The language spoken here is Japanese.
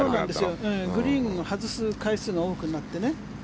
グリーンを外す回数が多くなってね。